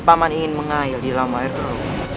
paman ingin mengayal di lama air keruh